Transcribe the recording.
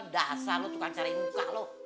dasar lo tukang cari muka loh